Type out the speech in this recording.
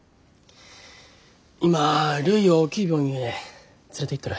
今るいを大きい病院へ連れていっとる。